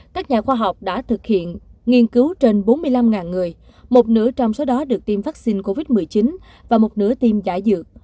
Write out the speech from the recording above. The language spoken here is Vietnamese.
các nhà khoa học đã thực hiện nghiên cứu trên bốn mươi năm người một nửa trong số đó được tiêm vaccine covid một mươi chín và một nửa tiêm giải dược